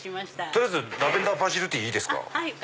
取りあえずラベンダーバジルティーいいですか？